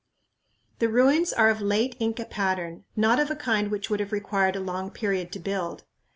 The ruins are of late Inca pattern, not of a kind which would have required a long period to build.